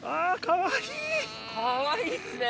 かわいいっすね！